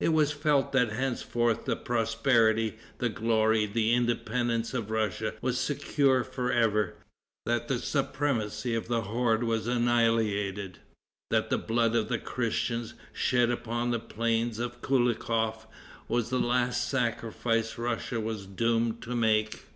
It was felt that henceforth the prosperity, the glory, the independence of Russia was secured for ever; that the supremacy of the horde was annihilated; that the blood of the Christians, shed upon the plain of Koulikof, was the last sacrifice Russia was doomed to make.